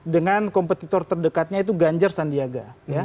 dengan kompetitor terdekatnya itu ganjar sandiaga